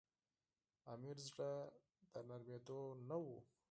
امیر زړه د نرمېدلو نه وو.